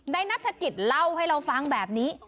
นัฐกิจเล่าให้เราฟังแบบนี้